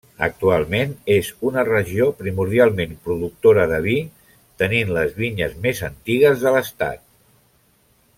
Actualment és una regió primordialment productora de vi, tenint les vinyes més antigues de l'estat.